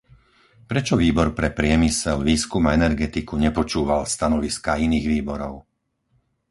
Prečo Výbor pre priemysel, výskum a energetiku nepočúval stanoviská iných výborov?